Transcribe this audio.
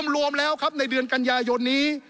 รวมแล้วครับในเดือนกันยายนนี้